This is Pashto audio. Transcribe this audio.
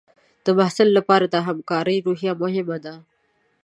د محصل لپاره د همکارۍ روحیه مهمه ده.